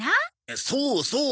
そうそう。